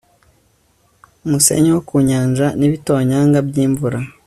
umusenyi wo ku nyanja n'ibitonyanga by'imvura